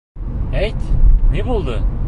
Әйт, ни булды?